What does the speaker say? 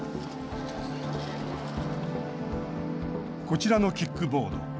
こちらのキックボード。